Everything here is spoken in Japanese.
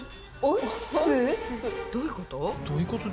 どういうこと？